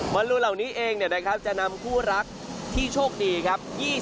บาลูนเหล่านี้เองเนี่ยนะครับจะนำผู้รักที่โชคดีครับ